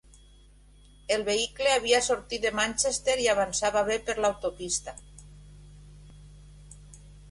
El vehicle havia sortit de Manchester i avançava bé per l'autopista.